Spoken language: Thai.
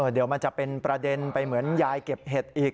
เดี๋ยวมันจะเป็นประเด็นไปเหมือนยายเก็บเห็ดอีก